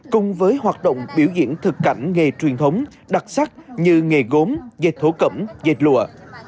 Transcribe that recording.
cùng với hoạt động biểu diễn thực cảnh nghề truyền thống đặc sắc như nghề gốm dệt thổ cẩm dệt lụa